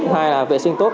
hai là vệ sinh tốt